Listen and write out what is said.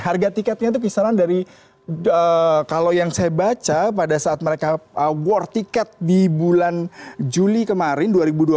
harga tiketnya itu kisaran dari kalau yang saya baca pada saat mereka war tiket di bulan juli kemarin dua ribu dua puluh